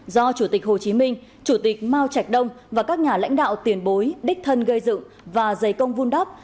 do chủ tịch hồ chí minh chủ tịch mao trạch đông và các nhà lãnh đạo tiền bối đích thân gây dựng và dày công vun đắp